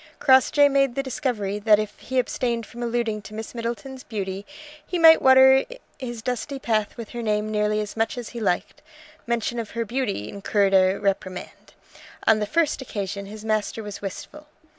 Crossjay made the discovery that if he abstained from alluding to Miss Middleton's beauty he might water his dusty path with her name nearly as much as he liked. Mention of her beauty incurred a reprimand. On the first occasion his master was wistful.